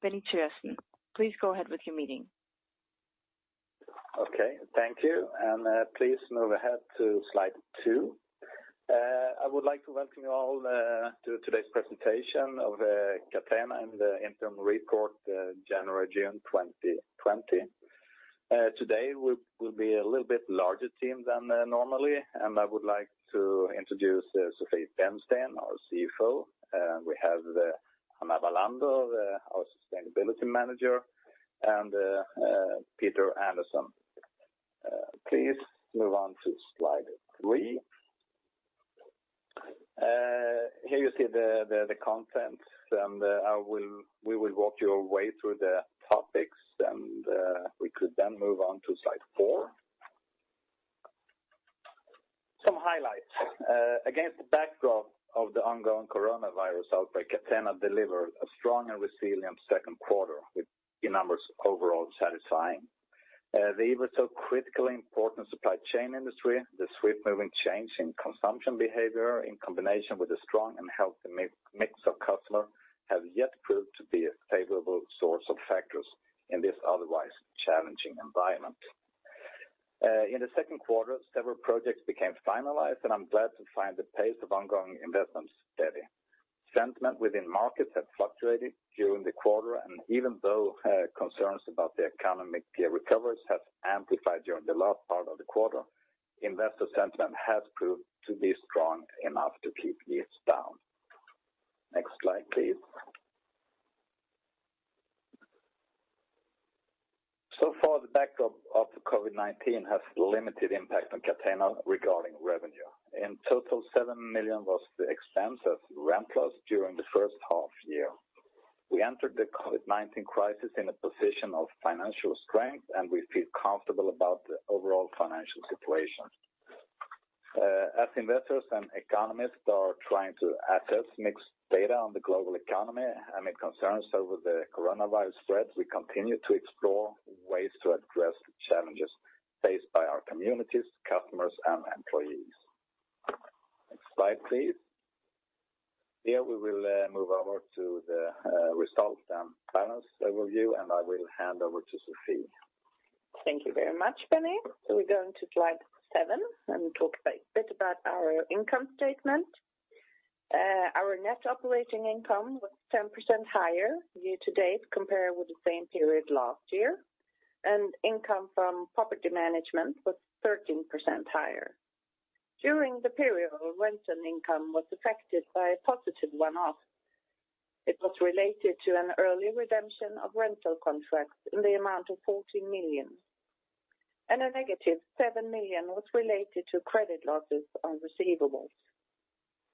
Benny Thögersen. Please go ahead with your meeting. Okay. Thank you, and please move ahead to slide two. I would like to welcome you all to today's presentation of Catena and the interim report, January, June 2020. Today, we'll be a little bit larger team than normally, and I would like to introduce Sofie Bennsten, our CFO. We have Anna Wallander, our sustainability manager, and Peter Andersson. Please move on to slide three. Here you see the content, and we will walk you through the topics, and we could then move on to slide four. Some highlights. Against the backdrop of the ongoing coronavirus outbreak, Catena delivered a strong and resilient second quarter, with key numbers overall satisfying. The ever so critically important supply chain industry, the swift moving change in consumption behavior in combination with a strong and healthy mix of customers, have yet proved to be a favorable source of factors in this otherwise challenging environment. In the second quarter, several projects became finalized, and I'm glad to find the pace of ongoing investments steady. Sentiment within markets had fluctuated during the quarter, and even though concerns about the economic recovery have amplified during the last part of the quarter, investor sentiment has proved to be strong enough to keep leads down. Next slide, please. So far, the backdrop of COVID-19 has limited impact on Catena regarding revenue. In total, 7 million was the expense of rent loss during the first half year. We entered the COVID-19 crisis in a position of financial strength, and we feel comfortable about the overall financial situation. As investors and economists are trying to assess mixed data on the global economy amid concerns over the coronavirus spread, we continue to explore ways to address the challenges faced by our communities, customers, and employees. Next slide, please. Here, we will move over to the results and balance overview, and I will hand over to Sofie. Thank you very much, Benny. We're going to slide seven and talk a bit about our income statement. Our net operating income was 10% higher year to date compared with the same period last year, and income from property management was 13% higher. During the period, our rental income was affected by a positive one-off. It was related to an early redemption of rental contracts in the amount of 14 million, and a -7 million was related to credit losses on receivables.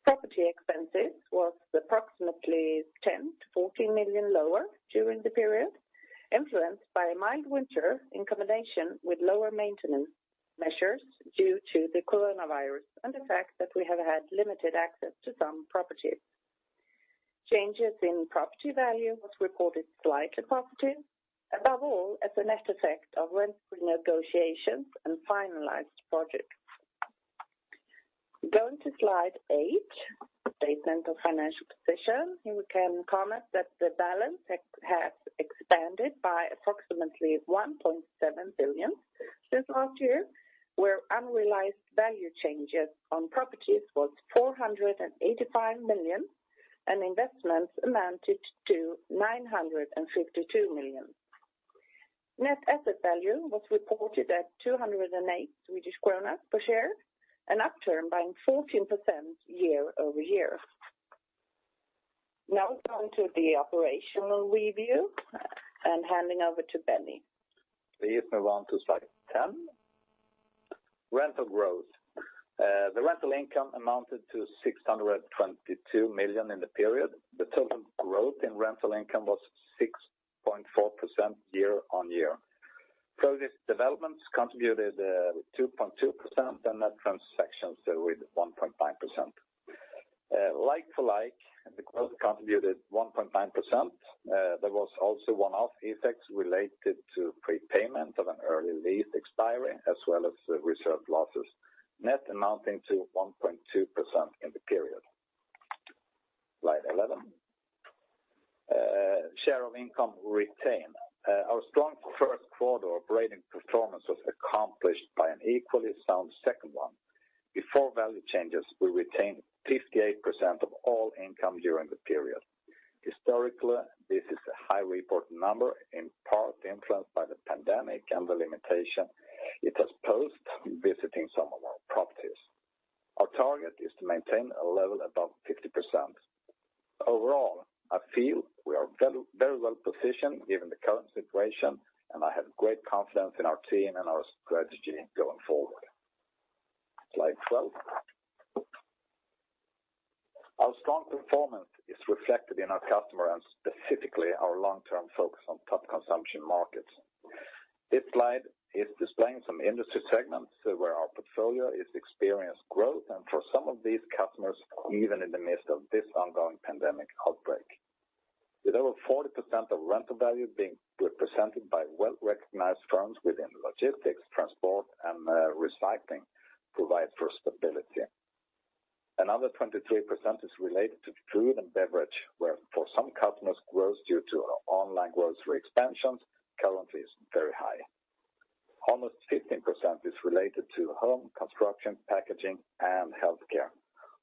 Property expenses were approximately 10 million to 14 million lower during the period, influenced by a mild winter in combination with lower maintenance measures due to the coronavirus and the fact that we have had limited access to some properties. Changes in property value were reported slightly positive, above all as a net effect of rental negotiations and finalized projects. Going to slide eight, statement of financial position, we can comment that the balance has expanded by approximately 1.7 billion since last year, where unrealized value changes on properties were 485 million and investments amounted to 952 million. Net asset value was reported at 208 Swedish kronor per share, an upturn by 14% year-over-year. Now, we'll go into the operational review and handing over to Benny. Please move on to slide 10. Rental growth. The rental income amounted to 622 million in the period. The total growth in rental income was 6.4% year-on-year. Project developments contributed 2.2% and net transactions with 1.9%. Like-for-like, the growth contributed 1.9%. There was also one-off effects related to prepayment of an early lease expiry, as well as reserve losses, net amounting to 1.2% in the period. Slide 11. Share of income retained. Our strong first quarter operating performance was accomplished by an equally sound second one. Before value changes, we retained 58% of all income during the period. Historically, this is a high report number, in part influenced by the pandemic and the limitation it has posed visiting some of our properties. Our target is to maintain a level above 50%. Overall, I feel we are very well positioned given the current situation, and I have great confidence in our team and our strategy going forward. Slide 12. Our strong performance is reflected in our customer and specifically our long-term focus on top consumption markets. This slide is displaying some industry segments where our portfolio has experienced growth, and for some of these customers, even in the midst of this ongoing pandemic outbreak. With over 40% of rental value being represented by well-recognized firms within logistics, transport, and recycling, it provides for stability. Another 23% is related to food and beverage, where for some customers, growth due to online grocery expansions currently is very high. Almost 15% is related to home, construction, packaging, and healthcare,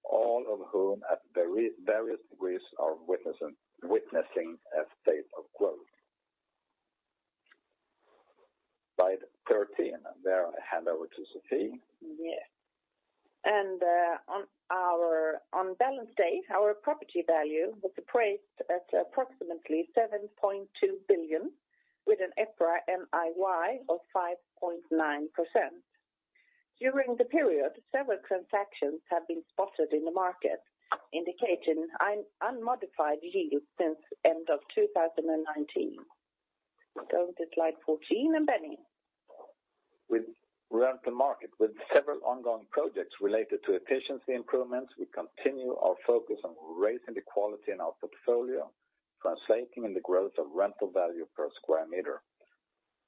all of whom at various degrees are witnessing a state of growth. Slide 13. May I hand over to Sofie? Yes. And on balance date, our property value was appraised at approximately 7.2 billion, with an EPRA NIY of 5.9%. During the period, several transactions have been spotted in the market, indicating unmodified yields since the end of 2019. Going to slide 14, Benny. With rental market, with several ongoing projects related to efficiency improvements, we continue our focus on raising the quality in our portfolio, translating in the growth of rental value per square meter.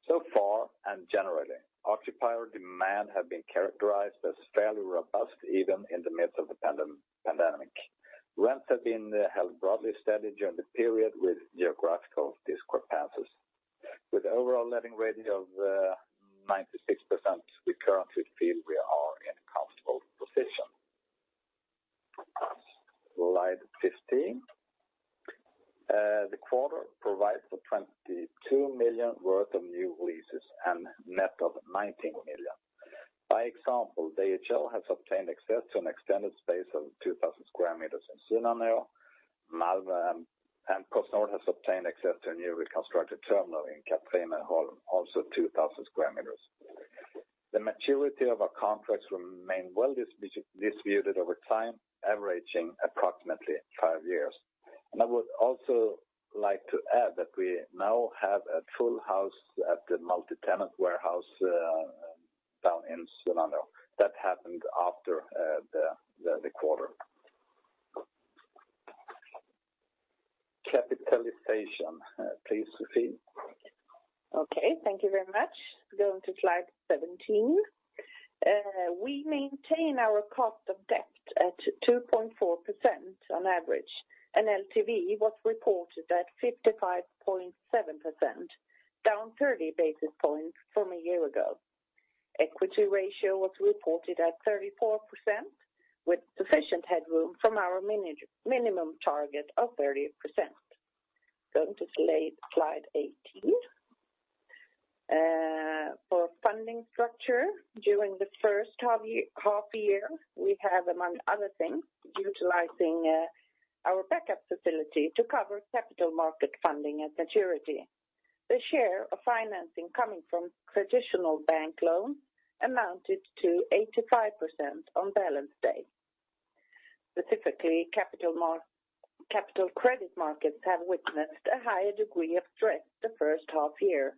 So far and generally, occupier demand has been characterized as fairly robust, even in the midst of the pandemic. Rents have been held broadly steady during the period with geographical discrepancies. With overall letting rating of 96%, we currently feel we are in a comfortable position. Slide 15. The quarter provided for 22 million worth of new leases and a net of 19 million. By example, DHL has obtained access to an extended space of 2,000 sq m in Sunnanå, Malmö, and PostNord has obtained access to a newly constructed terminal in Katrineholm, also 2,000 sq m. The maturity of our contracts remained well-distributed over time, averaging approximately five years. And I would also like to add that we now have a full house at the multi-tenant warehouse down in Sunnanå. That happened after the quarter. Capitalization, please, Sofie. Okay. Thank you very much. Going to slide 17. We maintain our cost of debt at 2.4% on average, and LTV was reported at 55.7%, down 30 basis points from a year ago. Equity ratio was reported at 34%, with sufficient headroom from our minimum target of 30%. Going to slide 18. For funding structure, during the first half year, we have, among other things, utilizing our backup facility to cover capital market funding at maturity. The share of financing coming from traditional bank loans amounted to 85% on balance date. Specifically, capital credit markets have witnessed a higher degree of stress the first half year,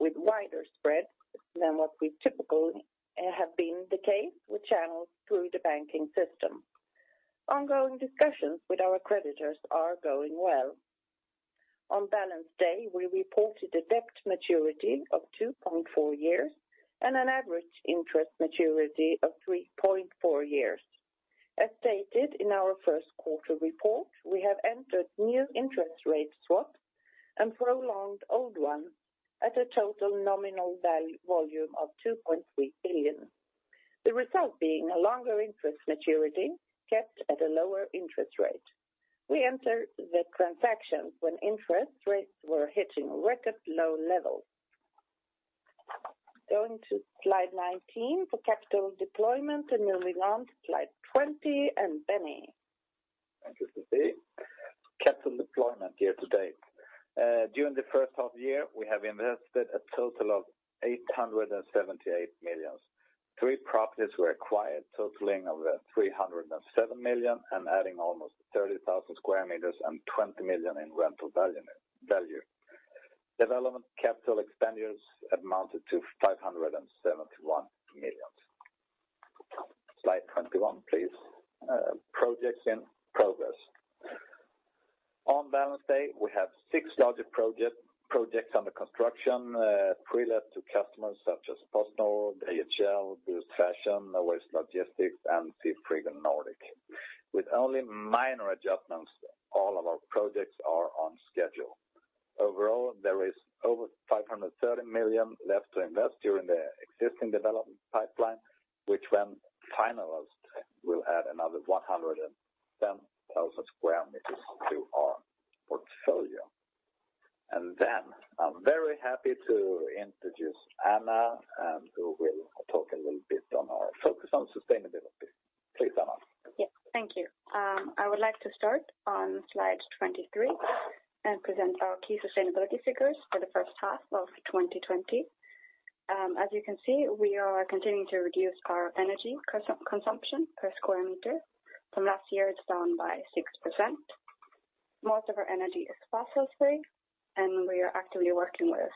with wider spreads than what would typically have been the case with channels through the banking system. Ongoing discussions with our creditors are going well. On balance date, we reported a debt maturity of 2.4 years and an average interest maturity of 3.4 years. As stated in our first quarter report, we have entered new interest rate swaps and prolonged old ones at a total nominal volume of 2.3 billion, the result being a longer interest maturity kept at a lower interest rate. We entered the transactions when interest rates were hitting record low levels. Going to slide 19 for capital deployment and moving on to slide 20, and Benny. Thank you, Sofie. Capital deployment year-to-date. During the first half year, we have invested a total of 878 million. Three properties were acquired, totaling over 307 million and adding almost 30,000 sq m and 20 million in rental value. Development capital expenditures amounted to 571 million. Slide 21, please. Projects in progress. On balance date, we have six larger projects under construction, pre-let to customers such as PostNord, DHL, Boozt Fashion, Nowaste Logistics, and Seafrigo Nordic. With only minor adjustments, all of our projects are on schedule. Overall, there is over 530 million left to invest during the existing development pipeline, which, when finalized, will add another 110,000 sq m to our portfolio. And then I'm very happy to introduce Anna, who will talk a little bit on our focus on sustainability. Please, Anna. Yes. Thank you. I would like to start on slide 23 and present our key sustainability figures for the first half of 2020. As you can see, we are continuing to reduce our energy consumption per square meter. From last year, it's down by 6%. Most of our energy is fossil-free, and we are actively working with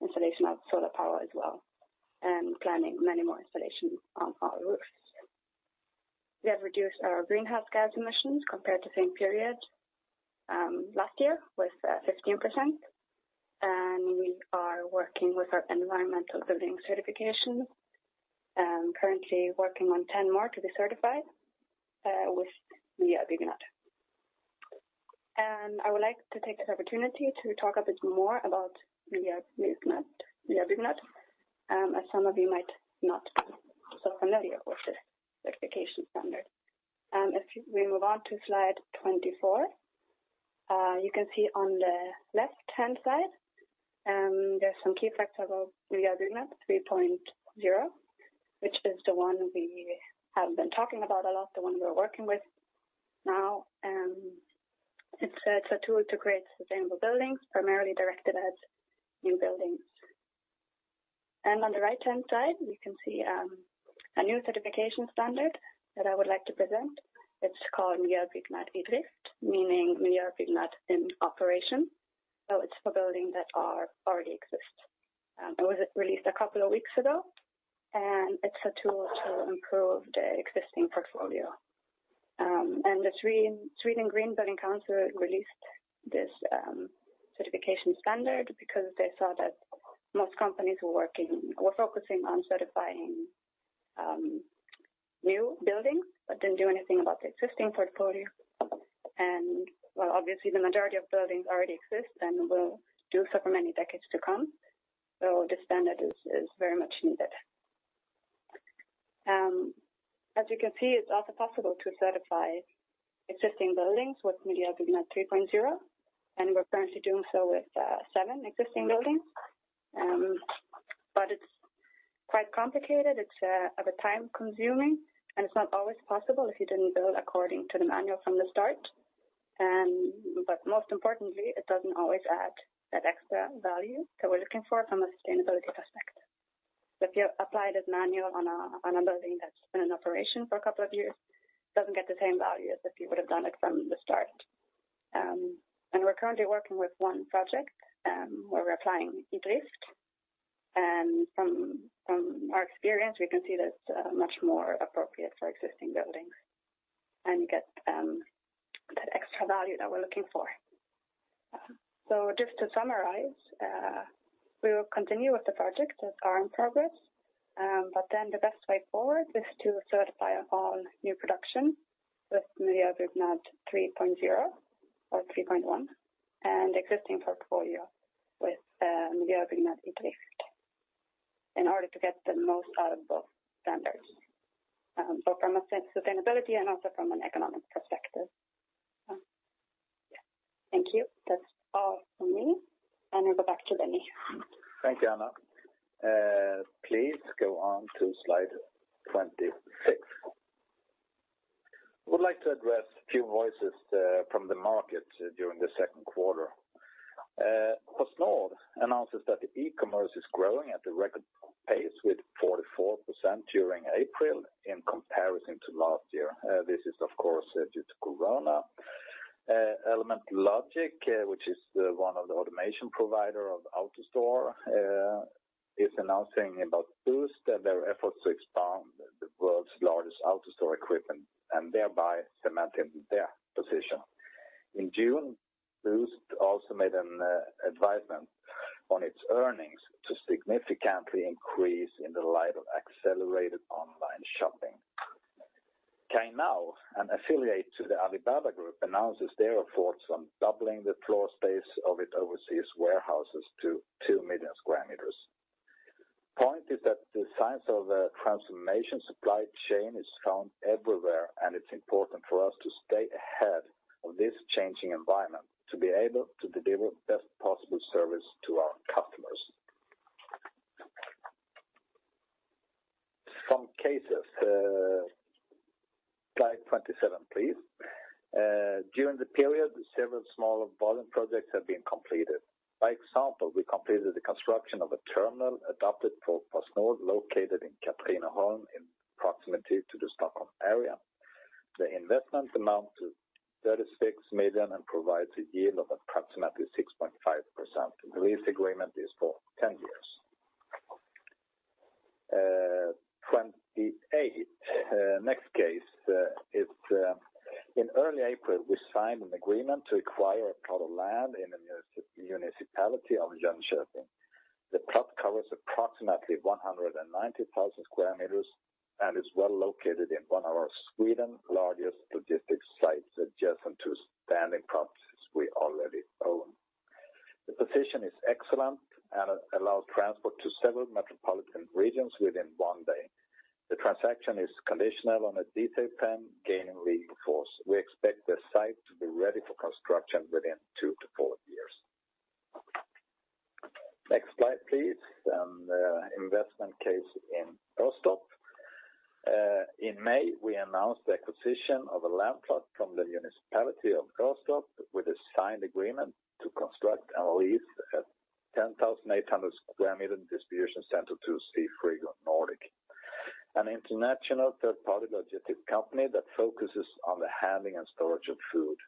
installation of solar power as well and planning many more installations on our roofs. We have reduced our greenhouse gas emissions compared to the same period last year with 15%, and we are working with our environmental building certification and currently working on 10 more to be certified with Miljöbyggnad, and I would like to take this opportunity to talk a bit more about Miljöbyggnad, as some of you might not be so familiar with this certification standard. If we move on to slide 24, you can see on the left-hand side, there's some key facts about Miljöbyggnad 3.0, which is the one we have been talking about a lot, the one we're working with now. It's a tool to create sustainable buildings, primarily directed at new buildings, and on the right-hand side, you can see a new certification standard that I would like to present. It's called Miljöbyggnad iDrift, meaning Miljöbyggnad in operation, so it's for buildings that already exist. It was released a couple of weeks ago, and it's a tool to improve the existing portfolio, and the Sweden Green Building Council released this certification standard because they saw that most companies were focusing on certifying new buildings but didn't do anything about the existing portfolio, and, well, obviously, the majority of buildings already exist and will do so for many decades to come. This standard is very much needed. As you can see, it's also possible to certify existing buildings with Miljöbyggnad 3.0, and we're currently doing so with seven existing buildings. But it's quite complicated. It's time-consuming, and it's not always possible if you didn't build according to the manual from the start. But most importantly, it doesn't always add that extra value that we're looking for from a sustainability perspective. So if you apply this manual on a building that's been in operation for a couple of years, it doesn't get the same value as if you would have done it from the start. And we're currently working with one project where we're applying Miljöbyggnad iDrift. And from our experience, we can see that it's much more appropriate for existing buildings and get that extra value that we're looking for. So just to summarize, we will continue with the project as our progress, but then the best way forward is to certify all new production with Miljöbyggnad 3.0 or 3.1 and existing portfolio with Miljöbyggnad iDrift in order to get the most out of both standards, both from a sustainability and also from an economic perspective. Thank you. That's all from me, and I'll go back to Benny. Thank you, Anna. Please go on to slide 26. I would like to address a few voices from the market during the second quarter. PostNord announces that e-commerce is growing at a record pace with 44% during April in comparison to last year. This is, of course, due to corona. Element Logic, which is one of the automation providers of AutoStore, is announcing about Boozt their efforts to expand the world's largest AutoStore equipment and thereby cementing their position. In June, Boozt also made an advisement on its earnings to significantly increase in the light of accelerated online shopping. Cainiao, an affiliate to the Alibaba Group, announces their efforts on doubling the floor space of its overseas warehouses to 2 million sq m. The point is that the signs of the transformation supply chain is found everywhere, and it's important for us to stay ahead of this changing environment to be able to deliver the best possible service to our customers. Some cases. Slide 27, please. During the period, several smaller volume projects have been completed. By example, we completed the construction of a terminal adopted for PostNord located in Katrineholm in proximity to the Stockholm area. The investment amounted to 36 million and provides a yield of approximately 6.5%. The lease agreement is for 10 years. 28. Next case. In early April, we signed an agreement to acquire a plot of land in the municipality of Jönköping. The plot covers approximately 190,000 sq m and is well located in one of Sweden's largest logistics sites adjacent to standing properties we already own. The position is excellent and allows transport to several metropolitan regions within one day. The transaction is conditional on a detailed plan gaining approval. We expect the site to be ready for construction within two to four years. Next slide, please. An investment case in Åstorp. In May, we announced the acquisition of a land plot from the municipality of Åstorp with a signed agreement to construct and lease a 10,800 sq m distribution center to Seafrigo Nordic, an international third-party logistics company that focuses on the handling and storage of food.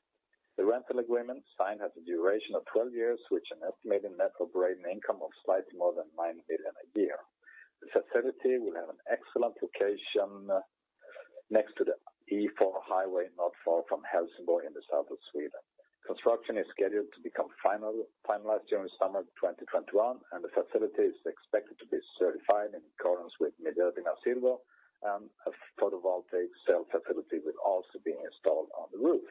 The rental agreement signed has a duration of 12 years with an estimated net operating income of slightly more than 9 million a year. The facility will have an excellent location next to the E4 highway, not far from Helsingborg in the south of Sweden. Construction is scheduled to become finalized during the summer of 2021, and the facility is expected to be certified in accordance with Miljöbyggnad Silver, and a photovoltaic cell facility will also be installed on the roof.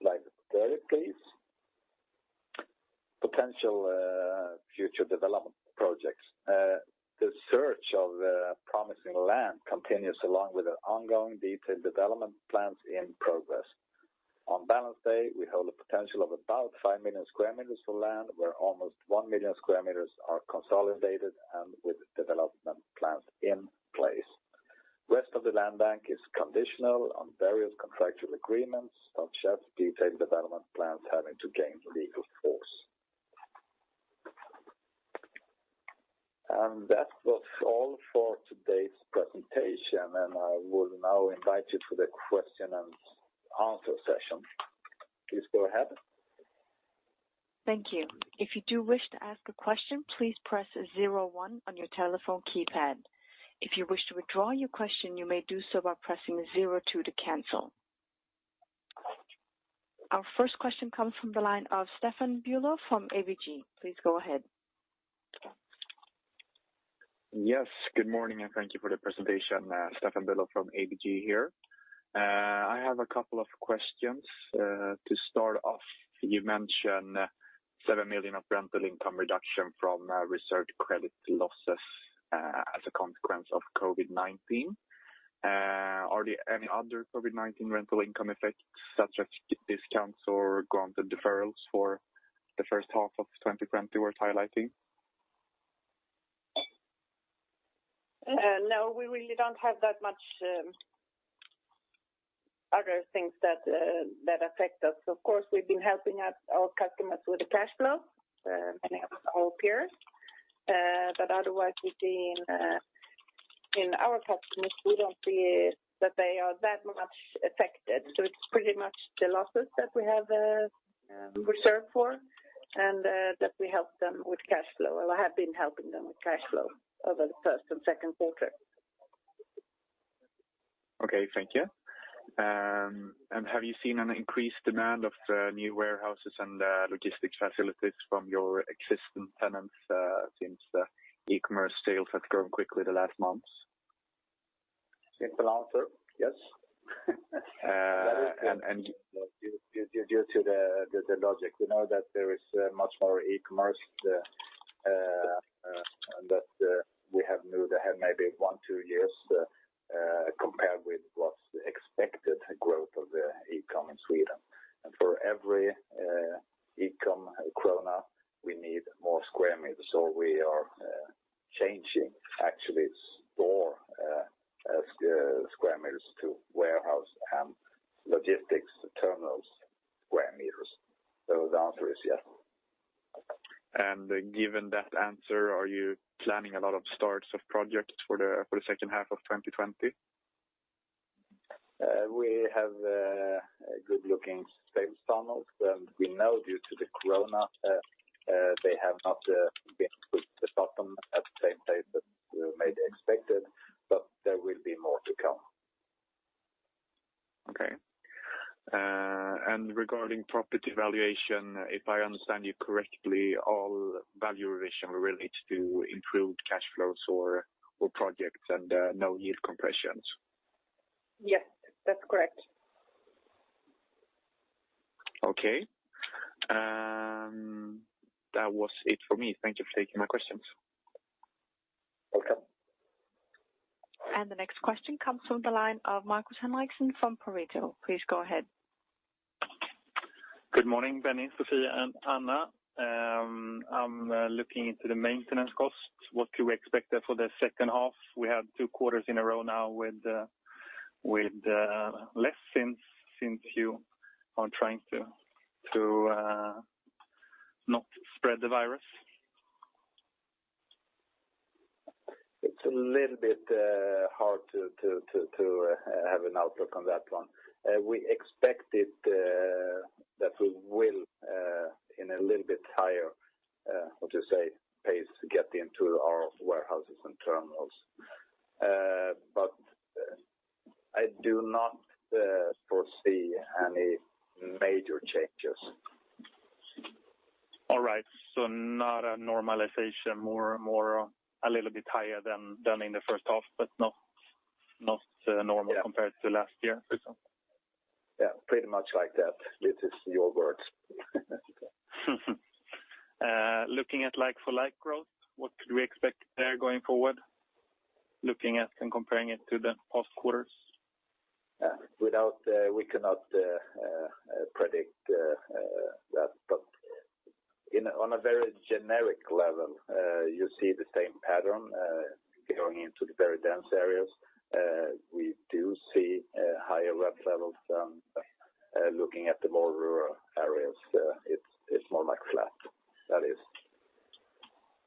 Slide 30, please. Potential future development projects. The search of promising land continues along with ongoing detailed development plans in progress. On balance date, we hold a potential of about 5 million sq m of land where almost 1 million sq m are consolidated and with development plans in place. The rest of the land bank is conditional on various contractual agreements, such as detailed development plans having to gain legal force. And that was all for today's presentation, and I will now invite you to the question and answer session. Please go ahead. Thank you. If you do wish to ask a question, please press zero one on your telephone keypad. If you wish to withdraw your question, you may do so by pressing zero two to cancel. Our first question comes from the line of Staffan Bülow from ABG. Please go ahead. Yes. Good morning, and thank you for the presentation. Staffan Bülow from ABG here. I have a couple of questions. To start off, you mentioned 7 million of rental income reduction from reserve credit losses as a consequence of COVID-19. Are there any other COVID-19 rental income effects, such as discounts or granted deferrals for the first half of 2020 worth highlighting? No. We really don't have that much other things that affect us. Of course, we've been helping our customers with the cash flow, many of our peers. But otherwise, in our customers, we don't see that they are that much affected. So it's pretty much the losses that we have reserved for and that we help them with cash flow or have been helping them with cash flow over the first and second quarter. Okay. Thank you, and have you seen an increased demand of the new warehouses and logistics facilities from your existing tenants since the e-commerce sales have grown quickly the last months? Simple answer, yes, and due to the logistics, we know that there is much more e-commerce that we have moved ahead maybe one, two years compared with what's expected growth of the e-com in Sweden, and for every e-com order, we need more square meters, so we are changing, actually, store square meters to warehouse and logistics terminals square meters, so the answer is yes. Given that answer, are you planning a lot of starts of projects for the second half of 2020? We have good-looking sales funnels, and we know due to the corona, they have not been put at the same place as we may have expected, but there will be more to come. Okay. And regarding property valuation, if I understand you correctly, all value revision will lead to improved cash flows or projects and no yield compressions. Yes. That's correct. Okay. That was it for me. Thank you for taking my questions. The next question comes from the line of Markus Henriksson from Pareto. Please go ahead. Good morning, Benny, Sofie, and Anna. I'm looking into the maintenance costs. What do we expect there for the second half? We had two quarters in a row now with less since you are trying to not spread the virus. It's a little bit hard to have an outlook on that one. We expected that we will, in a little bit higher, what you say, pace get into our warehouses and terminals. But I do not foresee any major changes. All right. So not a normalization, more a little bit higher than in the first half, but not normal compared to last year, for example? Yeah. Pretty much like that. This is your words. Looking at like-for-like growth, what could we expect there going forward, looking at and comparing it to the past quarters? Yeah. We cannot predict that. But on a very generic level, you see the same pattern going into the very dense areas. We do see higher rent levels than looking at the more rural areas. It's more like flat. That is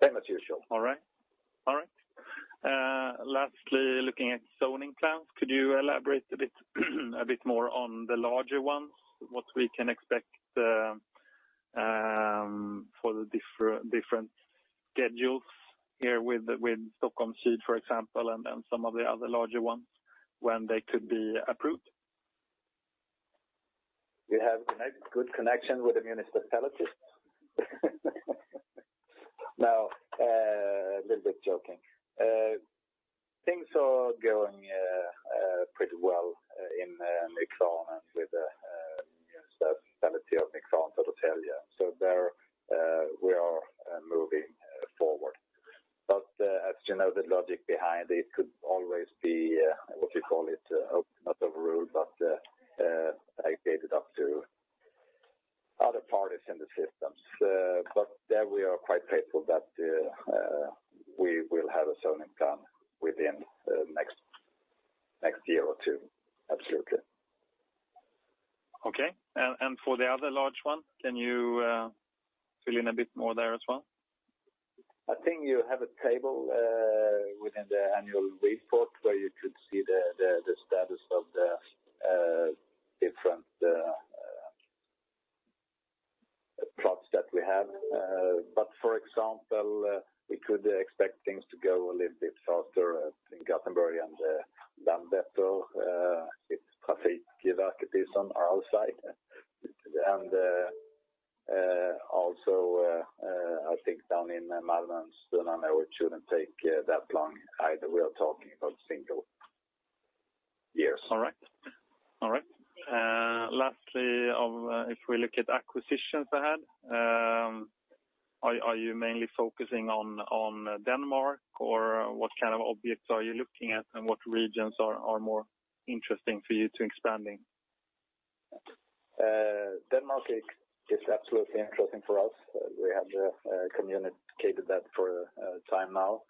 same as usual. All right. All right. Lastly, looking at zoning plans, could you elaborate a bit more on the larger ones, what we can expect for the different schedules here with Stockholm Syd, for example, and some of the other larger ones when they could be approved? We have good connections with the municipality. Now, a little bit joking. Things are going pretty well in Nykvarn and with the municipality of Nykvarn, so to tell you, so we are moving forward, but as you know, the logic behind it could always be what you call it, not overruled, but aggregated up to other parties in the systems, but there we are quite faithful that we will have a zoning plan within the next year or two. Absolutely. Okay, and for the other large one, can you fill in a bit more there as well? I think you have a table within the annual report where you could see the status of the different plots that we have, but for example, we could expect things to go a little bit faster in Gothenburg and then better if Trafikverket is on our side, and also, I think down in Malmö and Sunnanå, it shouldn't take that long either. We are talking about single years. All right. All right. Lastly, if we look at acquisitions ahead, are you mainly focusing on Denmark, or what kind of objects are you looking at, and what regions are more interesting for you to expand in? Denmark is absolutely interesting for us. We have communicated that for a time now.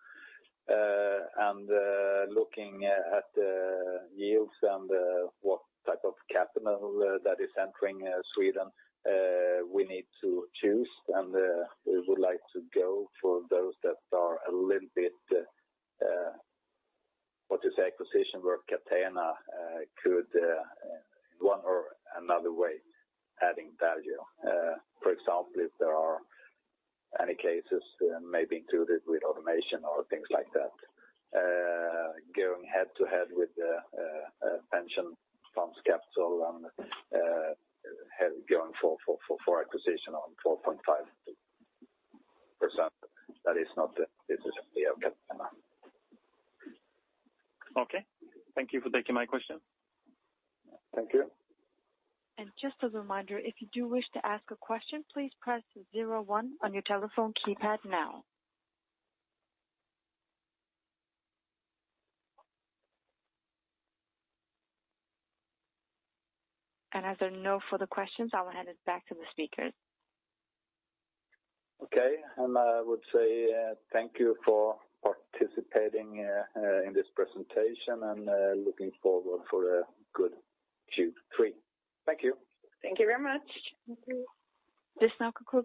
And looking at the yields and what type of capital that is entering Sweden, we need to choose, and we would like to go for those that are a little bit, what you say, acquisition where Catena could, in one or another way, adding value. For example, if there are any cases maybe included with automation or things like that, going head-to-head with the pension funds capital and going for acquisition on 4.5%. That is not the decision we have Catena. Okay. Thank you for taking my question. Thank you. Just as a reminder, if you do wish to ask a question, please press zero one on your telephone keypad now. As there are no further questions, I will hand it back to the speakers. Okay. I would say thank you for participating in this presentation and looking forward for a good Q3. Thank you. Thank you very much. This now concludes.